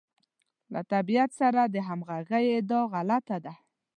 له طبیعت سره د همغږۍ ادعا غلطه ده.